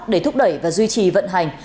để thúc đẩy và duy trì vận hành